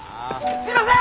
すいません。